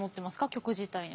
曲自体に。